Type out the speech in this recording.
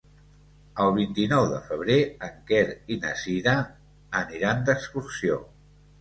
El vint-i-nou de febrer en Quer i na Cira aniran d'excursió.